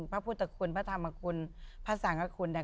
พระพุทธคุณพระธรรมคุณพระสังฆคุณ